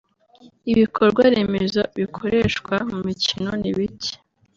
Ibikorwa remezo bikoreshwa mu mikino ni bike